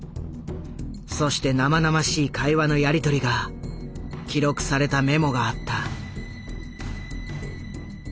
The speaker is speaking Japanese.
そして生々しい会話のやり取りが記録されたメモがあった。